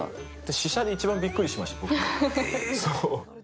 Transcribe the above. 試写で一番びっくりしました、僕。